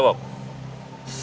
saya tidak akan santai